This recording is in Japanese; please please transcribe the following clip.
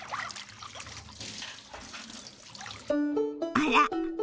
あら！